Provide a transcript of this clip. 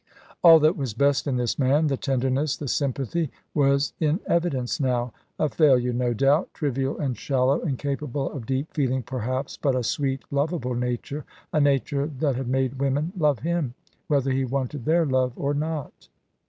All that was best in this man, the tenderness, the sympathy, was in evidence now; a failure no doubt, trivial and shallow, incapable of deep feeling, perhaps, but a sweet, lovable nature; a nature that had made women love him whether he wanted their love or not.